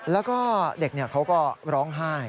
แล้วก็เด็กเขาก็ร้องไห้